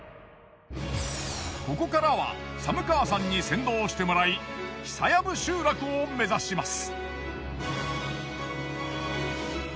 ここからは寒川さんに先導してもらい久藪集落を目指します。